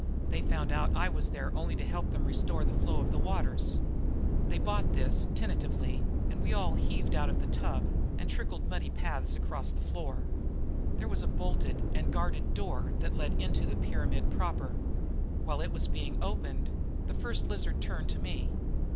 They found out I was there only to help them restore the flow of the waters. They bought this, tentatively, and we all heaved out of the tub and trickled muddy paths across the floor. There was a bolted and guarded door that led into the pyramid proper. While it was being opened, the First Lizard turned to me.